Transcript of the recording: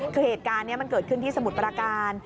คือเหตุการณ์เนี่ยเหมือนเกิดขึ้นที่สมุดปราการ